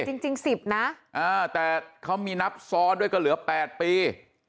จริง๑๐นะแต่เขามีนับซ้อนด้วยก็เหลือ๘ปี